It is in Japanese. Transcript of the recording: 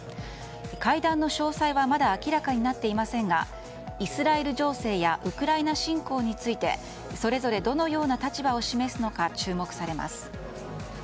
会談の詳細はまだ明らかになっていませんがイスラエル情勢やウクライナ侵攻についてそれぞれどのような立場を示すのか注目されます。